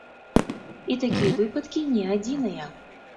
І такія выпадкі не адзіныя!